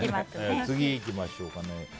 次いきましょう。